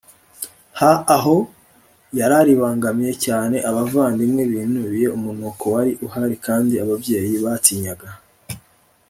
Ha aho yararibangamiye cyane abavandimwe binubiye umunuko wari uhari kandi ababyeyi batinyaga